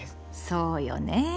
そうよね。